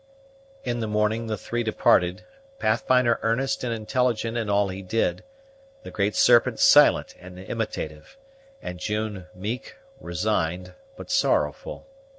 In the morning the three departed, Pathfinder earnest and intelligent in all he did, the Great Serpent silent and imitative, and June meek, resigned, but sorrowful.